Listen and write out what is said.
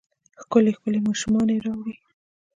ښکلې ، ښکلې ماشومانې راوړي